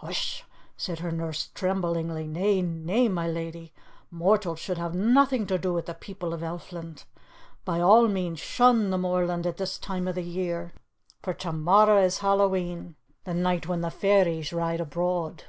"Hush sh!" said her nurse tremblingly. "Nay, nay, my lady! Mortals should have nothing to do with the people of Elfland. By all means shun the moorland at this time of the year, for to morrow is Hallowe'en the night when the fairies ride abroad."